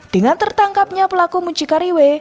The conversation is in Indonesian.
dengan tertangkapnya pelaku muncikari w